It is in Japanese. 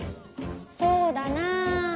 そうだなあ。